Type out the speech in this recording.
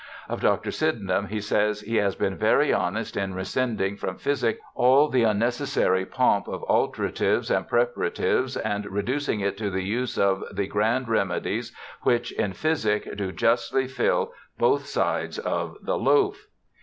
Of Dr. Sydenham he says, ' he has been very honest in rescinding from Physick all the unneces sary pomp of alteratives and preparatives, and reducing it to the use of the grand remedies which in Physick do JOHN LOCKE 105 justly fill both sides of the loafe.'